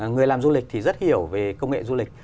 người làm du lịch thì rất hiểu về công nghệ du lịch